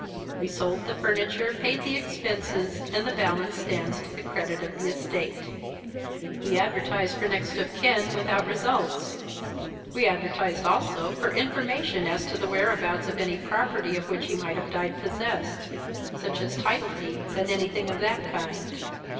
We sold the furniture, paid the expenses, and the balance stands to the credit of the estate. We advertised for next of kin, without results. We advertised also for information as to the whereabouts of any property of which he might have died possessed such as title deeds, and anything of that kind.